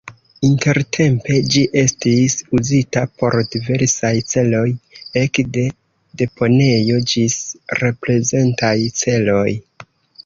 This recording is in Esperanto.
Intertempe ĝi estis uzita por diversaj celoj, ekde deponejo ĝis reprezentaj celoj.